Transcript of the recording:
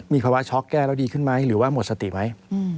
มีภาวะช็อกแก้แล้วดีขึ้นไหมหรือว่าหมดสติไหม